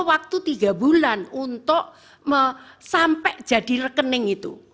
waktu tiga bulan untuk sampai jadi rekening itu